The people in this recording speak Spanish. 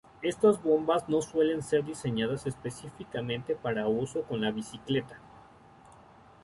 Estas bombas no suelen ser diseñadas específicamente para uso con la bicicleta.